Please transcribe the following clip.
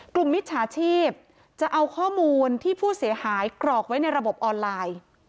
มิจฉาชีพจะเอาข้อมูลที่ผู้เสียหายกรอกไว้ในระบบออนไลน์